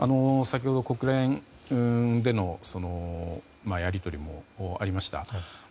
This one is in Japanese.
先ほど、国連でのやり取りもありました。